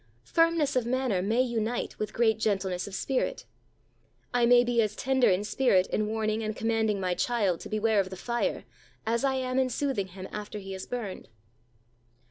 Firmness of manner may unite with great gentleness of spirit. I may be as tender in spirit in warning and commanding my child DEAL GENTLY. 153 to beware of the fire, as I am in soothing him after he is burned.